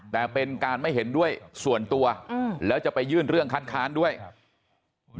แต่เป็นการไม่เห็นด้วยส่วนตัวอืมแล้วจะไปยื่นเรื่องคัดค้านด้วยครับ